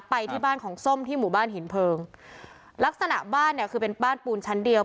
ไปที่บ้านของส้มที่หมู่บ้านหินเพลิงลักษณะบ้านเนี่ยคือเป็นบ้านปูนชั้นเดียว